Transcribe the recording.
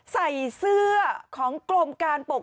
ใส่เสื้อของกลมการปกครอง